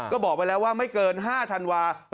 ก็บอกไปแล้วว่าไม่เกิน๕ธันวาคม